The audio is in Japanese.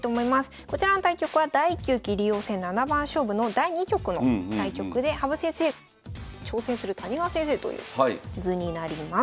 こちらの対局は第９期竜王戦七番勝負の第２局の対局で羽生先生挑戦する谷川先生という図になります。